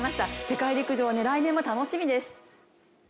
世界陸上、来年も楽しみです。